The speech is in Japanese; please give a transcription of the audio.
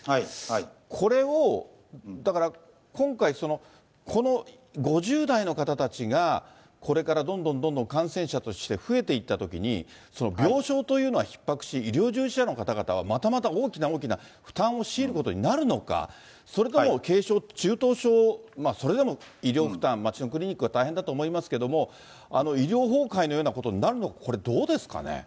これを今回、この５０代の方たちが、これからどんどんどんどん感染者として増えていったときに、病床というのはひっ迫し、医療従事者の方々はまたまた大きな大きな負担を強いることになるのか、それとも、軽症、中等症、それでも医療負担、町のクリニックは大変だと思いますけれども、医療崩壊のようなことになるのか、これ、どうですかね。